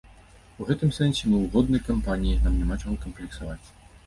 У гэтым сэнсе мы ў годнай кампаніі, нам няма чаго камплексаваць.